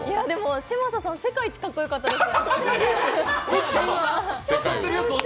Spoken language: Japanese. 嶋佐さん、世界一かっこよかったです。